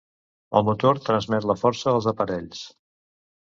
El motor transmet la força als aparells.